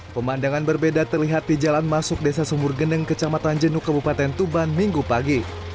pemandangan berbeda terlihat di jalan masuk desa sumur geneng kecamatan jenuk kabupaten tuban minggu pagi